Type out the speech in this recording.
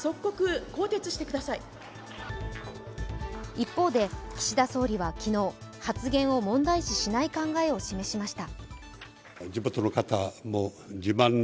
一方で、岸田総理は昨日発言を問題視しない考えを示しました。